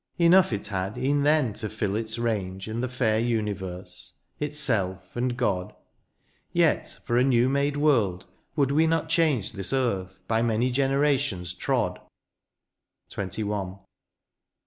Enough it had e'en then to fill its range In the fair universe, — ^itself and God ; Yet for a new made world would we not change This earth, by many generations trod ? XXI.